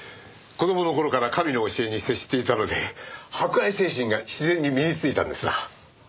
子供の頃から神の教えに接していたので博愛精神が自然に身についたんですな。